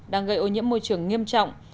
đang gây ô nhiễm môi trường nghiêm trọng